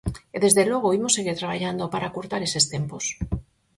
E desde logo imos seguir traballando para acurtar eses tempos.